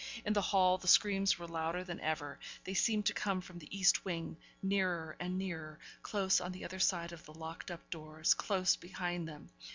In the hall the screams were louder than ever; they seemed to come from the east wing nearer and nearer close on the other side of the locked up doors close behind them.